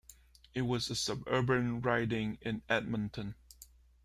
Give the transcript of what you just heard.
It was a suburban riding in Edmonton.